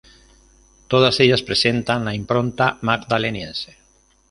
Todas ellas presentan la impronta magdaleniense.